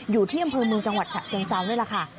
อยู่ที่อำเภอเมืองจังหวัดฉะเชิงเซานี่แหละค่ะ